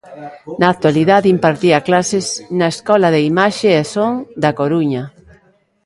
Na actualidade impartía clases na Escola de Imaxe e Son da Coruña.